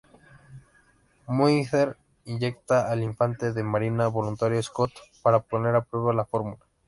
Mohinder inyecta al infante de marina voluntario, Scott, para poner a prueba la fórmula.